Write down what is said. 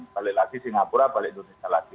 balik lagi singapura balik indonesia lagi